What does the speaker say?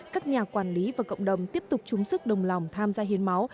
các nhà quản lý và cộng đồng tiếp tục chung sức đồng lòng tham gia hiến máu